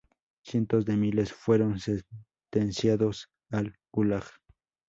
Cientos de miles fueron sentenciados al Gulag.